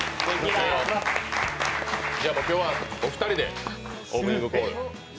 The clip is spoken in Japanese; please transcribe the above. じゃあ、今日はお二人でオープニングコール。